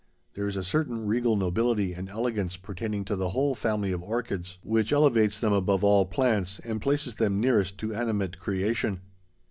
There is a certain regal nobility and elegance pertaining to the whole family of orchids, which elevates them above all plants, and places them nearest to animate creation.